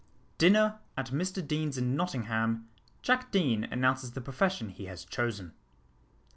DINNER AT MR DEANE'S IN NOTTINGHAM JACK DEANE ANNOUNCES THE PROFESSION HE HAS CHOSEN.